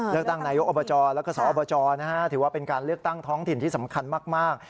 นายกอบจแล้วก็สอบจถือว่าเป็นการเลือกตั้งท้องถิ่นที่สำคัญมาก